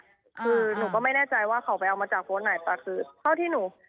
คือหนูก็ไม่แน่ใจว่าเขาไปเอามาจากโพสต์ไหน